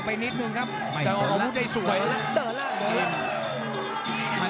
แต่อาวุธให้สวย